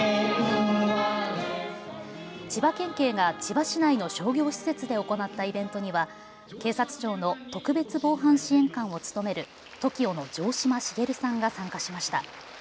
千葉県警が千葉市内の商業施設で行ったイベントには警察庁の特別防犯支援官を務めるＴＯＫＩＯの城島茂さんが参加しました。